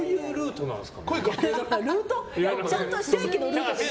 ちゃんと正規のルートで。